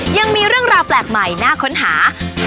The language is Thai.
ยังมีเรื่องราวแปลกใหม่น่าค้นหา